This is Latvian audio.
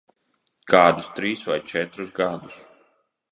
Kādus trīs vai četrus gadus.